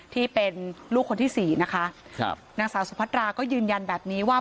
ที่เป็นลูกคนที่สี่นะคะครับนางสาวสุพัตราก็ยืนยันแบบนี้ว่า